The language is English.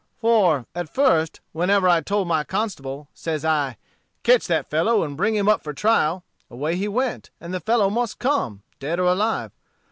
For, at first, whenever I told my constable, says I, 'Catch that fellow, and bring him up for trial,' away he went, and the fellow must come, dead or alive.